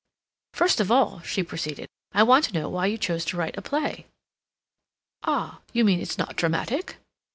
"First of all," she proceeded, "I want to know why you chose to write a play?" "Ah! You mean it's not dramatic?"